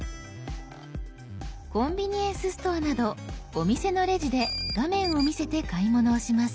コンビニエンスストアなどお店のレジで画面を見せて買い物をします。